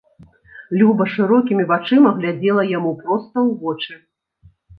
Люба шырокімі вачыма глядзела яму проста ў вочы.